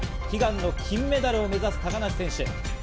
悲願の金メダルを目指す高梨選手。